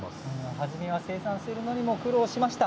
初めは生産するのにも苦労しました。